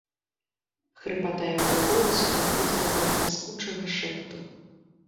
Хрыпата яго голасу даходзіла да траскучага шэпту.